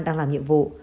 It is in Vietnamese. đang làm nhiệm vụ